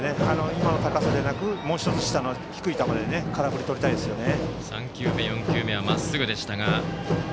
今の高さじゃなくもう１つ下の低い球で空振りをとりたいですね。